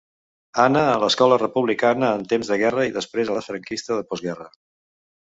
Anà a l’escola republicana en temps de guerra i després a la franquista de postguerra.